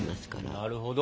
なるほど。